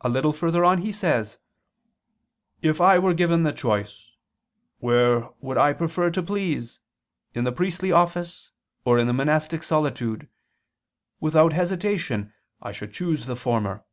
A little further on he says: "If I were given the choice, where would I prefer to please, in the priestly office, or in the monastic solitude, without hesitation I should choose the former."